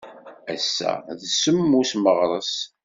Ass-a d semmus Meɣres.